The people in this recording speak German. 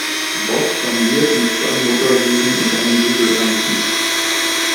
Bob jongliert mit zwei Motorsägen und einem Bügeleisen.